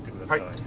はい。